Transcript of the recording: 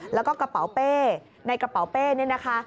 แล้วก็กระเป๋าเป้ในกระเป๋าเป้นี่นะคะ